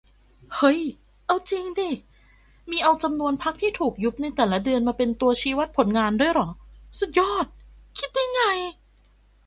เฮ้ย เอาจิงดิ มีเอาจำนวนพรรคที่ถูกยุบในแต่ละเดือนมาเป็นตัวชี้วัดผลงานด้วยเหรอ สุดยอด คิดได้ไง